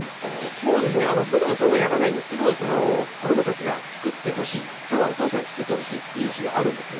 そうですねふだんそんなやらないんですけどその子どもたちがつくってほしいきょうはお父さんにつくってほしいっていう日があるんですよ。